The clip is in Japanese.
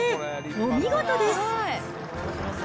お見事です。